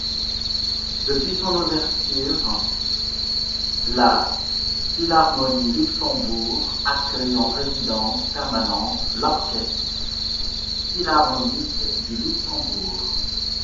Depuis son ouverture, la Philharmonie Luxembourg accueille en résidence permanente l’Orchestre philharmonique du Luxembourg.